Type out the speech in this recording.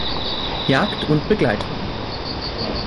Jagd- und Begleithund